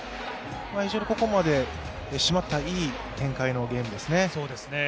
非常にここまで、締まった、いい展開のゲームですね。